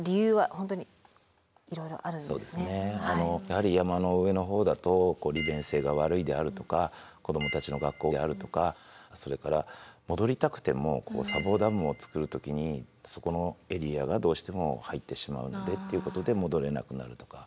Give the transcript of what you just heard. やはり山の上の方だと利便性が悪いであるとか子どもたちの学校であるとかそれから戻りたくても砂防ダムを造る時にそこのエリアがどうしても入ってしまうのでっていうことで戻れなくなるとか。